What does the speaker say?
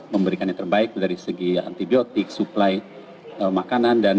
memberikan yang terbaik dari segi antibiotik supply makanan